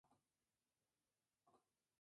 Sin embargo, no tuvo continuidad con el "cartero".